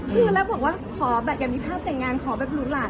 คือแล้วบอกว่าอย่างมีภาพแต่งงานขอแบบหนุนหลาน